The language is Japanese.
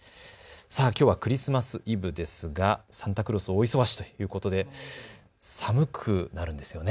きょうはクリスマスイブですがサンタクロース、大忙しということで寒くなるんですよね。